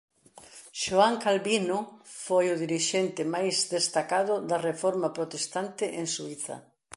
Xoán Calvino foi o dirixente máis destacado da Reforma protestante en Suíza.